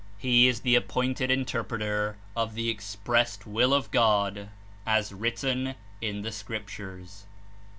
He is the appointed interpreter of the ex pressed Will of God as written in the Scriptures.